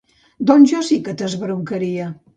Doncs jo sí que t'esbroncaria.